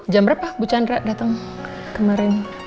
jam berapa bu chandra datang kemarin